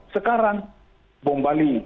sekarang bom bali